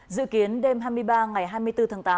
dự kiến đêm hai mươi ba ngày hai mươi bốn tháng tám